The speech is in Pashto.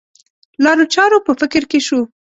لارو چارو په فکر کې شو.